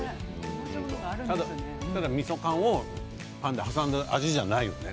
ただ、みそ缶をパンで挟んだ味じゃないよね。